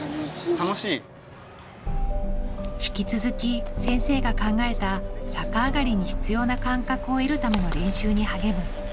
引き続き先生が考えた逆上がりに必要な感覚を得るための練習に励む。